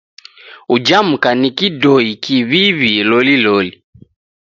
Uja mka ni kidoi kiw'iw'i loliloli.